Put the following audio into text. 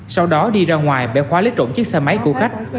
sau đó đi ra ngoài bẻ khóa lấy trộm chiếc xe máy của khách